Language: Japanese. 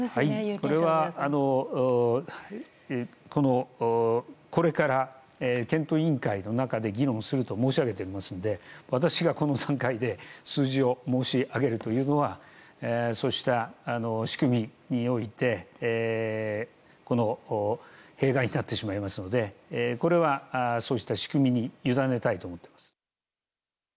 それはこれから検討委員会の中で議論すると申し上げているので私がこの段階で数字を申し上げるのはそうした仕組みにおいて弊害になってしまうのでそうした仕組みに委ねたいと思っています。